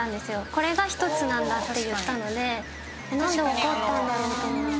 これが１つなんだって言ったのでなんでわかったんだろうって思って。